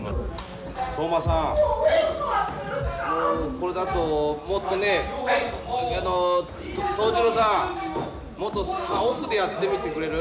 これだともっとね藤十郎さんもっと奥でやってみてくれる？